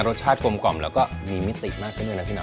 รสชาติกลมกล่อมแล้วก็มีมิติมากขึ้นด้วยนะพี่น้อง